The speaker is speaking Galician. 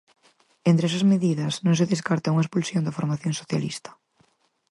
Entre esas medidas, non se descarta unha expulsión da formación socialista.